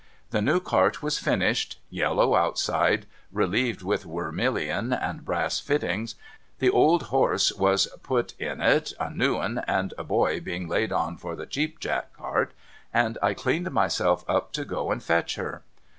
The new cart was finished, — yellow outside, relieved with wermilion and brass fittings, — the old horse was put in it, a new 'un and a boy being laid on for the Cheap Jack cart, and I cleaned myself up to go and fetch her.